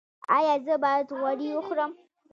ایا زه باید غوړي وخورم؟